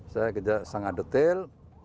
saya kerja sangat detail